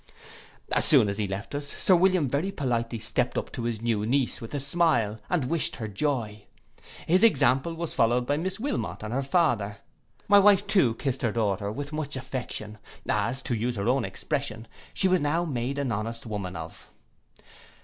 As soon as he left us, Sir William very politely stept up to his new niece with a smile, and wished her joy. His example was followed by Miss Wilmot and her father; my wife too kissed her daughter with much affection, as, to use her own expression, she was now made an honest woman of.